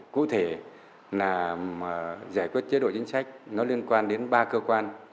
cụ thể giải quyết chế độ chính sách liên quan đến ba cơ quan